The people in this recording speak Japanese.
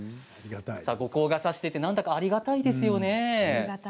後光がさしていて何だかありがたいですよね。